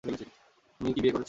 তুমি কি বিয়ে করেছ?